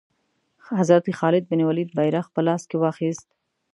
حضرت خالد بن ولید بیرغ په لاس کې واخیست.